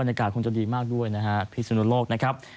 อากาศคงจะดีมากด้วยนะฮะพิศนุโลกนะครับ